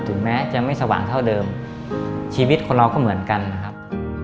ถึงแม้จะไม่สว่างเท่าเดิมชีวิตคนเราก็เหมือนกันนะครับ